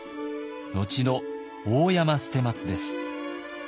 後の大山捨松です。